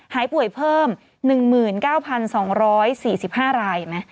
หายป่วยเพิ่ม๑๙๒๔๕ราย